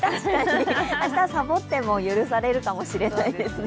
明日サボっても許されるかもしれないですね。